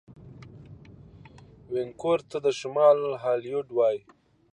وینکوور ته د شمال هالیوډ وايي.